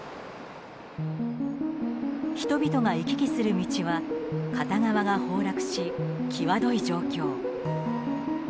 人々が行き来する道は片側が崩落し、際どい状況。